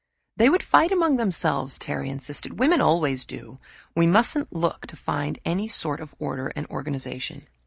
"They would fight among themselves," Terry insisted. "Women always do. We mustn't look to find any sort of order and organization."